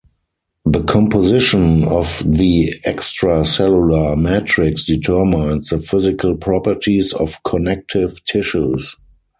The composition of the extracellular matrix determines the physical properties of connective tissues.